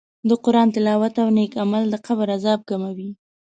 د قرآن تلاوت او نېک عمل د قبر عذاب کموي.